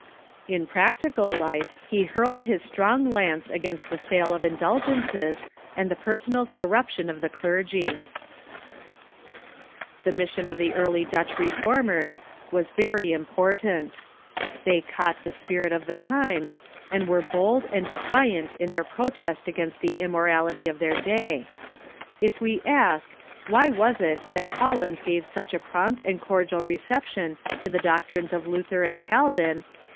In practical life, he hurled his strong lance against the sale of indulgences and the personal corruption of the clergy. THE HUMANISM OF ITALY 207 The mission of tbe early Dutch Reformers was verj^ impor tant. They caught the spirit of the times, and were bold and defiant in their protest against the immorality of The Early Dutch ^^■^| jf ask, Why was it that Holland Reformers T i gave such a prompt and cordial reception to the doctrines of Luther and Calviti?